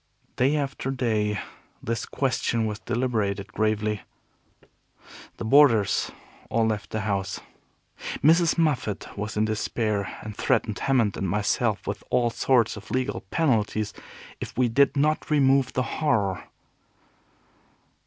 Day after day this question was deliberated gravely. The boarders all left the house. Mrs. Moffat was in despair, and threatened Hammond and myself with all sorts of legal penalties if we did not remove the Horror.